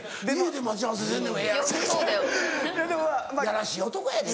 いやらしい男やで。